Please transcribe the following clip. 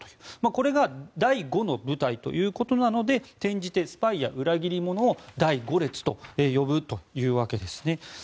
これが第五の部隊ということなので転じてスパイや裏切り者を第五列と呼ぶというわけですね。